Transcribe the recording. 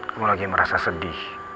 kamu lagi merasa sedih